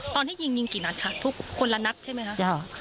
ตอนที่ยิงยิงกี่นัดค่ะทุกคนละนัดใช่ไหมคะ